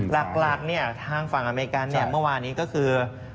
หลักทางฝั่งอเมริกาเมื่อวานนี้ก็คือ